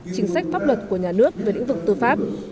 chính sách pháp luật của nhà nước về lĩnh vực tư pháp